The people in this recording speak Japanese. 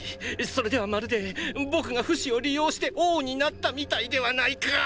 それではまるで僕がフシを利用して王になったみたいではないか！